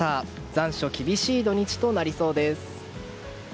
残暑厳しい土日となりそうです。